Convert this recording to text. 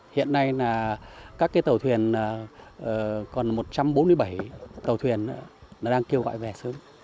hiện nay là các tàu thuyền còn một trăm bốn mươi bảy tàu thuyền đang kêu gọi về sớm